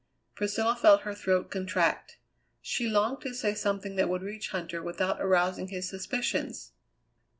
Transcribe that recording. Priscilla felt her throat contract. She longed to say something that would reach Huntter without arousing his suspicions.